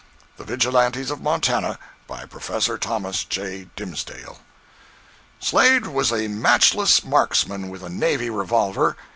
"The Vigilantes of Montana" by Prof. Thomas J. Dimsdale Slade was a matchless marksman with a navy revolver.